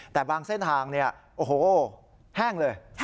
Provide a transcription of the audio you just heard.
แต่บางเส้นทางแห้งเลย